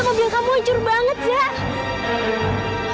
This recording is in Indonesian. lah mobil kamu hancur banget zaa